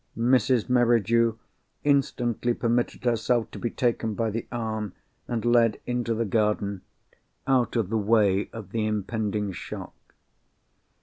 Mrs. Merridew instantly permitted herself to be taken by the arm, and led into the garden, out of the way of the impending shock.